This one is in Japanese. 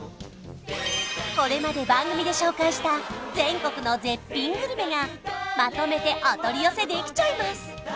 これまで番組で紹介した全国の絶品グルメがまとめてお取り寄せできちゃいます